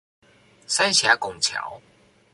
三峽拱橋